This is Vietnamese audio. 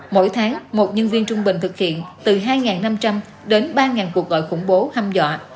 mỗi tháng một nhân viên trung bình thực hiện từ hai năm trăm linh đến ba cuộc gọi khủng bố hâm dọa